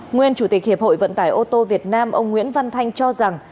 nguyên chủ tịch hiệp hội vận tải ô tô việt nam ông nguyễn văn thanh cho rằng